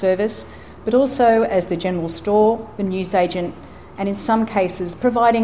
tetapi juga sebagai perusahaan general agen berbicara dan di beberapa kes